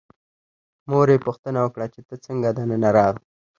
مور یې پوښتنه وکړه چې ته څنګه دننه راغلې.